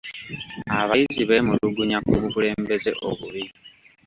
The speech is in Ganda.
Abayizi beemulugunya ku bukulembeze obubi.